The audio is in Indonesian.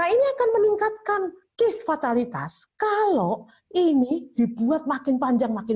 ini akan meningkatkan case fatalitas kalau ini dibuat makin panjang makin